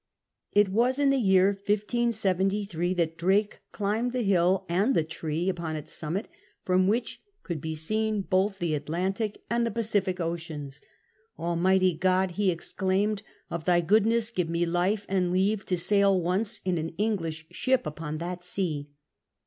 It was in the year 1573 that Drake climbed the hill and the tree upon its summit from which could be seen both the Atljwitic and the Pacific Oceans. "Almighty God I " he exclaimed, "of Thy goodness give mo life and leave to sail once in an English ship upon that sea."